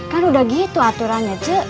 kan udah gitu aturannya cek